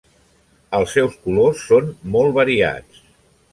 Els seus colors són molt variats.